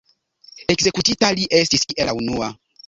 Ekzekutita li estis kiel la unua.